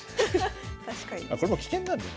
これも危険なんだよ